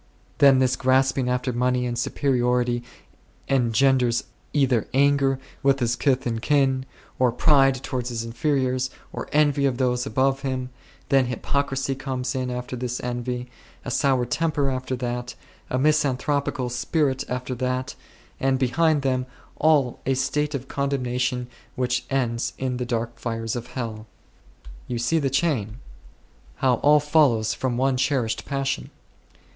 Then this grasping after money and superiority engenders either anger with his kith and kin, or pride towards his inferiors, or envy of those above him ; then hypocrisy comes in after this envy ; a soured temper after that ; a misan thropical spirit after that ; and behind them all a state of condemnation which ends in the dark fires of hell. You see the chain ; how all follows from one cherished passion.